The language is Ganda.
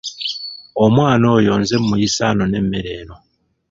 Omwana oyo nze muyise anone emmere eno.